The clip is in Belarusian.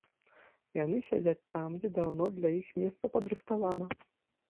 Яны сядзяць там, дзе даўно для іх месца падрыхтавана.